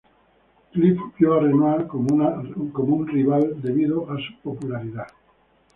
Cliff vio a Ronnie como un rival debido a su popularidad.